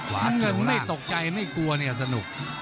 ไม่ตกใจไม่กลัวเนี่ยสนุก